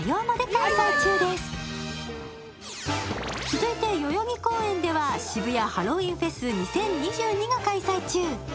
続いて、代々木公園では渋谷ハロウィンフェス２０２２が開催中。